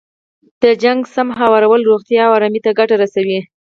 د شخړې سم هوارول روغتیا او ارامۍ ته ګټه رسوي.